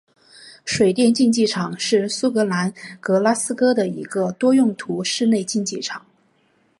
水电竞技场是苏格兰格拉斯哥的一个多用途室内竞技场。